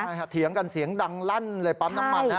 ใช่ค่ะเถียงกันเสียงดังลั่นเลยปั๊มน้ำมันนะฮะ